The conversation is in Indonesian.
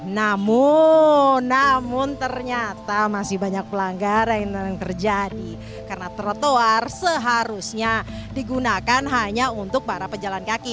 namun namun ternyata masih banyak pelanggar yang terjadi karena trotoar seharusnya digunakan hanya untuk para pejalan kaki